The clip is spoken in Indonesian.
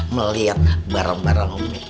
melihat barang barang umi